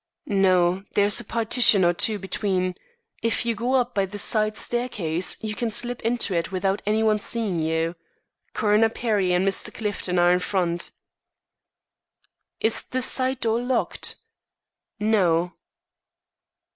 "No; there's a partition or two between. If you go up by the side staircase, you can slip into it without any one seeing you. Coroner Perry and Mr. Clifton are in front." "Is the side door locked?" "No."